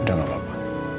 udah gak apa apa